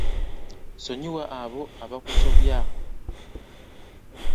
Ssonyiwa abo abakusobya.